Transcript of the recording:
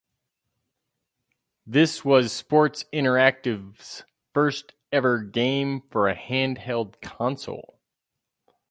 This was Sports Interactive's first ever game for a handheld console.